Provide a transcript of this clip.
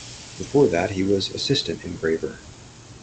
Before that, he was Assistant Engraver.